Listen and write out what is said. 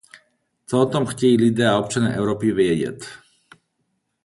Co o tom chtějí lidé a občané Evropy vědět?